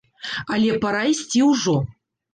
Але пара ісці ўжо!